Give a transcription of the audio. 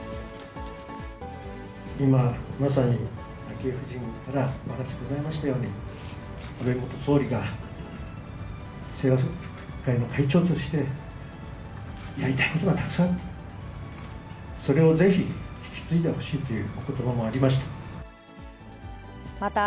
今、まさに昭恵夫人からお話ございましたように、安倍元総理が清和会の会長としてやりたいことがたくさん、それをぜひ、引き継いでほしいということばもありました。